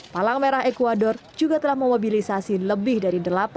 palang merah ecuador juga telah memobilisasi lebih dari delapan ratus tentara